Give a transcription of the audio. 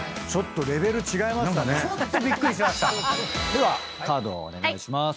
ではカードをお願いします。